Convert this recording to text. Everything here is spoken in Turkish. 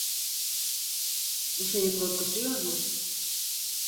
Bu seni korkutuyor mu?